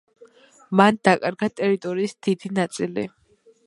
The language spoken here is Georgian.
მან დაკარგა ტერიტორიის დიდი ნაწილი.